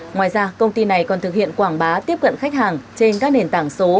ngoài ra công ty này còn thực hiện quảng bá tiếp cận khách hàng trên các nền tảng số